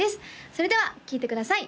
それでは聴いてください